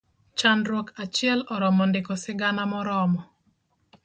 Chandruok achiel oromo ndiko sigana moromo.